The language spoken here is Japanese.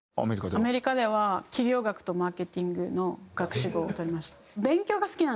アメリカでは企業学とマーケティングの学士号をとりました。